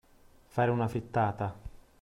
Fare una frittata.